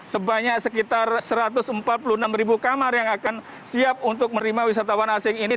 sebanyak sekitar satu ratus empat puluh enam ribu kamar yang akan siap untuk menerima wisatawan asing ini